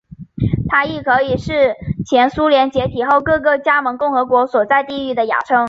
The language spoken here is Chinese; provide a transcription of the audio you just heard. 它亦可以是前苏联解体后各个加盟共和国所在的地域的雅称。